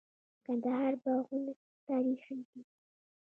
د کندهار باغونه تاریخي دي.